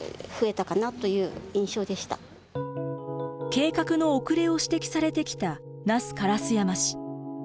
計画の遅れを指摘されてきた那須烏山市。